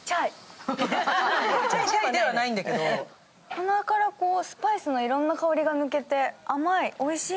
鼻からスパイスのいろんな香りが抜けて甘い、おいしい。